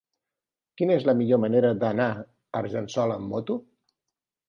Quina és la millor manera d'anar a Argençola amb moto?